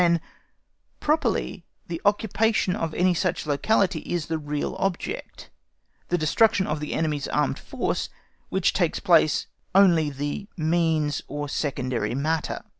then properly the occupation of any such locality is the real object, the destruction of the enemy's armed force which takes place only the means or secondary matter.